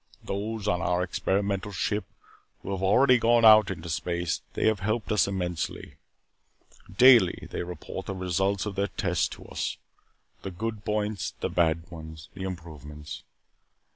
Those on our experimental ship who have already gone out into space, they have helped us immensely. Daily they report the results of their tests to us. The good points the bad ones the improvements.